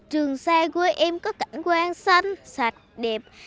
trường sa quê em có cảnh quan xanh sạch đẹp